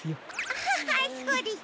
アハハそうでした！